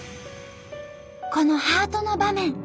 このハートの場面。